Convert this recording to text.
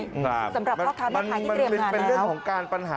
สำหรับพ่อค้าแม่ค้าที่เรียนเป็นเรื่องของการปัญหา